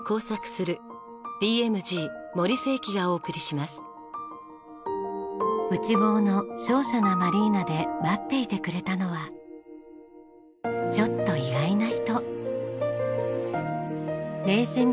今日は千葉県内房の瀟洒なマリーナで待っていてくれたのはちょっと意外な人。